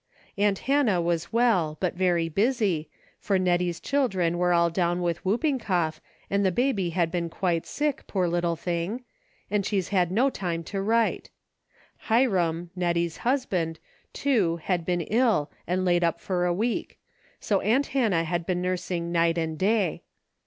Aunt Hannah Avas well, but very busy, for Nettie's children were all down with whooping cough and the baby had been quite sick, poor little thing, and she had no time to write. Hiram, Net tie's husband, too, had been ill and laid up for a week, so aunt Hannah had been nursing night and day.